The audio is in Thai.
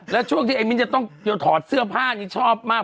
แล้วช่วงที่ไอ้มิ้นจะต้องถอดเสื้อผ้านี่ชอบมาก